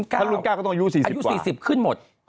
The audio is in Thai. ถ้ารุ่น๙ก็ต้องอายุ๔๐อายุ๔๐ขึ้นหมด